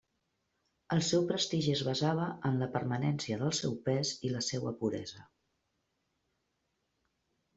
El seu prestigi es basava en la permanència del seu pes i la seua puresa.